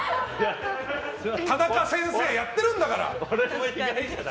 田中先生やってるんだから！